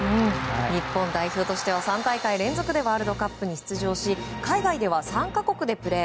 日本代表としては３大会連続でワールドカップに出場し海外では３か国でプレー。